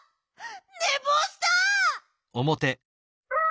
ねぼうした！